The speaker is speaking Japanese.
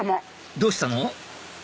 どうしたの？